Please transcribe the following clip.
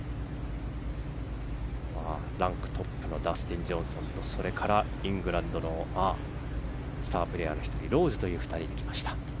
ランクトップのダスティン・ジョンソンとそれからイングランドのスタープレーヤーの１人ローズの２人できました。